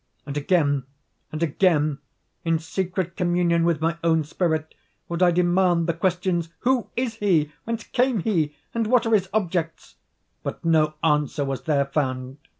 And again, and again, in secret communion with my own spirit, would I demand the questions "Who is he?—whence came he?—and what are his objects?" But no answer was there found.